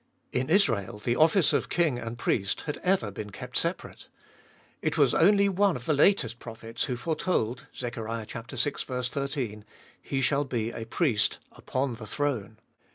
In Israel the office of king and priest had ever been kept separate ; it was only one of the latest prophets who foretold (Zech. vi. 1 3) : He shall be a priest upon the throne.